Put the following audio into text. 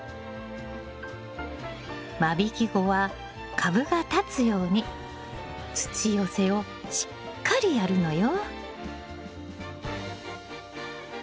間引き後は株が立つように土寄せをしっかりやるのよ。